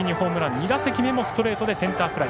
２打席目もストレートでセンターフライ。